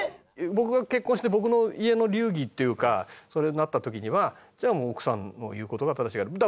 僕が結婚して僕の家の流儀っていうかそれになった時にはじゃあもう奥さんの言う事が正しいから。